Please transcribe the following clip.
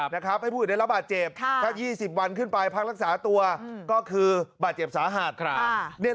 ให้พูดจริงแล้วบาดเจ็บ๒๐วันขึ้นไปพักรักษาตัวก็คือบาดเจ็บสาหาส